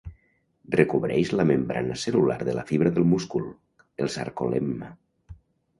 Recobreix la membrana cel·lular de la fibra del múscul: el sarcolemma.